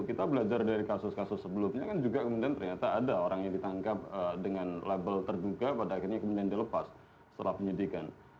kita belajar dari kasus kasus sebelumnya kan juga kemudian ternyata ada orang yang ditangkap dengan label terduga pada akhirnya kemudian dilepas setelah penyidikan